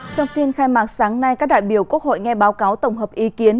trong phiên khai mạc sáng nay các đại biểu quốc hội nghe báo cáo tổng hợp ý kiến